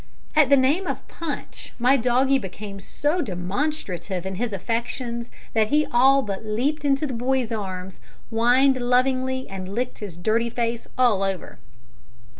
At the name of Punch my doggie became so demonstrative in his affections that he all but leaped into the boy's arms, whined lovingly, and licked his dirty face all over.